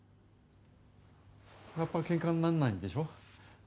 ラップはけんかになんないんでしょ？